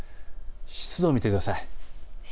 湿度を見てください。